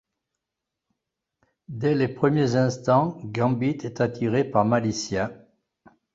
Dès les premiers instants, Gambit est attiré par Malicia.